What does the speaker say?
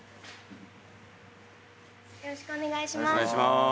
よろしくお願いします。